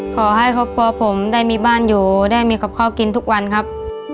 ขอให้ครอบครัวผมได้มีบ้านอยู่ได้มีกับข้าวกินทุกวันครับ